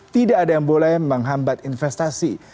tidak ada yang boleh menghambat investasi